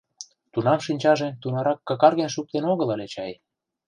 Тунам шинчаже тунарак какарген шуктен огыл ыле чай.